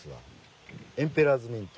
エンペラーズミント。